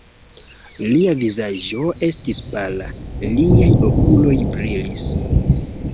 Lia vizaĝo estis pala, liaj okuloj brilis.